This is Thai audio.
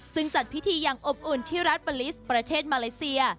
ซึ่งจัดพิธีอย่างอบอุ่นที่รัฐปาลิสประเทศมาเลเซีย